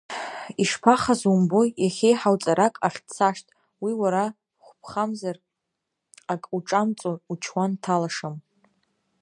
Ишԥахазу умбои, иахьеиҳау ҵарак ахь дцашт, уи уара хәԥхамзар ак уҿамҵо, учуан дҭалашам.